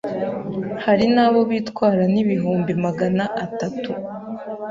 hari n’abo bitwara n’ibihumbi Magana atatu